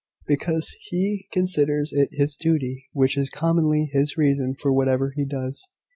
"Because he considers it his duty, which is commonly his reason for whatever he does."